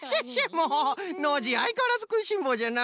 もうノージーあいかわらずくいしんぼうじゃな。